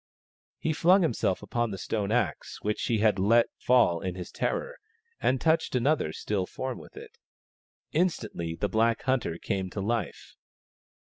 He flung himself upon the stone axe, which he had let fall in his terror, and touched another still form with it. Instantly the black hunter came to life.